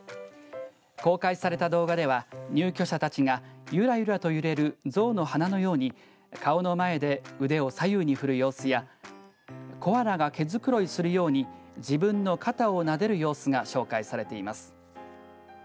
公開された動画では入居者たちがゆらゆらと揺れる象の鼻のように顔の前で腕を左右に振る様子やコアラが毛繕いするように自分の肩をなでる様子が紹介されています。